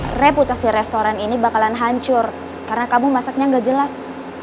karena reputasi restoran ini bakalan hancur karena kamu masaknya nggak jelas